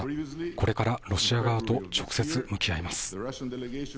これからロシア側と直接向き合います。